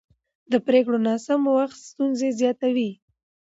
د پرېکړو ناسم وخت ستونزې زیاتوي